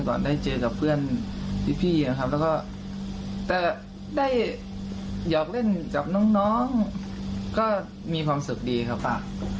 ก่อนได้เจอกับเพื่อนพี่นะครับแล้วก็ได้อยากเล่นกับน้องก็มีความสุขดีครับฝาก